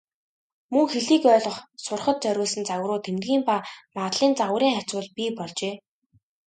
Мөн хэлийг ойлгох, сурахад зориулсан загварууд, тэмдгийн ба магадлалын загварын харьцуулал бий болжээ.